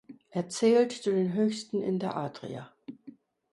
Er zählt zu den höchsten in der Adria.